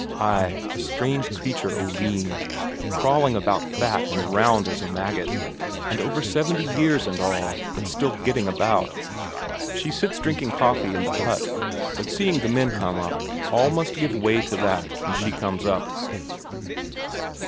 Ay, a strange creature, Oline, crawling about fat and round as a maggot, and over seventy years and all, but still getting about. She sits drinking coffee in the hut, but seeing the men come up, all must give way to that, and she comes out.